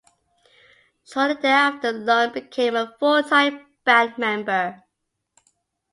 Shortly thereafter, Lund became a full-time band member.